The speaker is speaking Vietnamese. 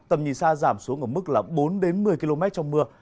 tầm nhìn xa giảm xuống ở mức là bốn đến một mươi km trong mưa